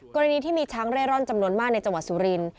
กรณีที่มีช้างเร่ร่อนจำนวนมากในจังหวัดสุรินทร์